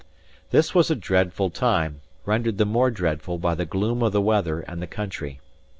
This was a dreadful time, rendered the more dreadful by the gloom of the weather and the country.